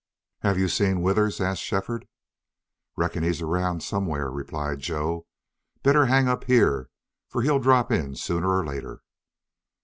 "Have you seen Withers?" asked Shefford. "Reckon he's around somewhere," replied Joe. "Better hang up here, for he'll drop in sooner or later."